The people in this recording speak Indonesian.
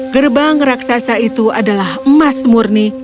gerbang raksasa itu adalah emas murni